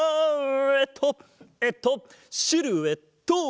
えっとえっとシルエット！